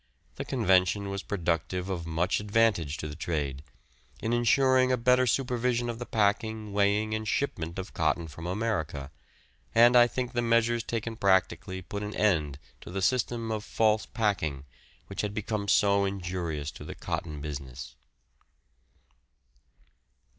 The convention was productive of much advantage to the trade, in ensuring a better supervision of the packing, weighing and shipment of cotton from America, and I think the measures taken practically put an end to the system of false packing which had become so injurious to the cotton business.